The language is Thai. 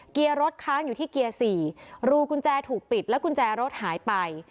เกียร์รถค้างอยู่ที่เกียร์๔รูกุญแจถูกปิดแล้วกุญแจรถหายไป